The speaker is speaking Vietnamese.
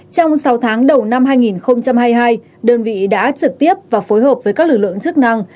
trong sáu tháng đầu năm hai nghìn hai mươi hai đơn vị đã trực tiếp và phối hợp với các lực lượng chức năng